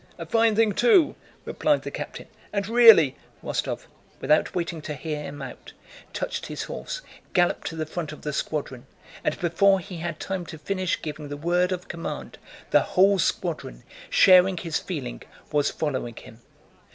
"A fine thing too!" replied the captain, "and really..." Rostóv, without waiting to hear him out, touched his horse, galloped to the front of his squadron, and before he had time to finish giving the word of command, the whole squadron, sharing his feeling, was following him.